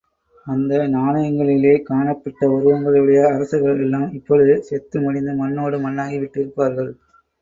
அந்த நாணயங்களிலே காணப்பட்ட உருவங்களையுடைய அரசர்களெல்லாம், இப்பொழுது செத்து மடிந்து மண்ணோடு மண்ணாகி விட்டிருப்பார்கள்.